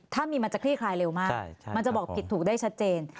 ถ้ามีมันจะคลี่คลายเร็วมากมันจะบอกผิดถูกได้ชัดเจน